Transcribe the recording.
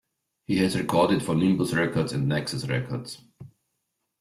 He has recorded for Nimbus Records and Naxos Records.